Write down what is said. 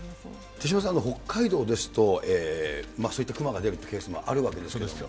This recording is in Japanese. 手嶋さん、北海道ですと、そういった熊が出るというケースもあるわけでしょう。